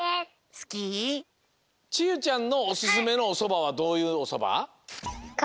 ちゆちゃんのおすすめのおそばはどういうおそば？